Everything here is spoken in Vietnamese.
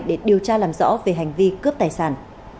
để điều tra làm rõ về hành vi cướp tài sản